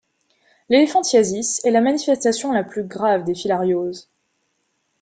L'éléphantiasis est la manifestation la plus grave des filarioses.